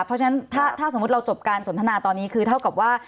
เพราะฉะนั้นถ้าสมมุติเราจบการสนทนาตอนนี้คือเท่ากับว่า